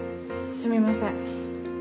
すみません。